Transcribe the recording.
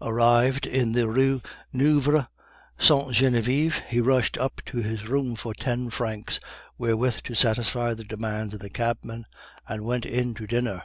Arrived in the Rue Neuve Sainte Genevieve, he rushed up to his room for ten francs wherewith to satisfy the demands of the cabman, and went in to dinner.